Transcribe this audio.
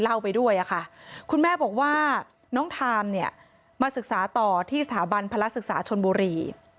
ไปด้วยค่ะคุณแม่บอกว่าน้องทามเนี่ยมาศึกษาต่อที่สถาบันพลักษึกษาชนบุรี